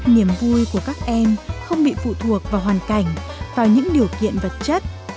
niềm vui của các em không bị phụ thuộc vào hoàn cảnh vào những điều kiện vật chất